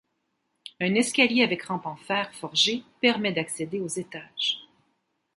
Un escalier avec rampe en fer forgé permet d'accéder aux étages.